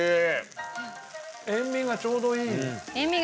塩味がちょうどいい？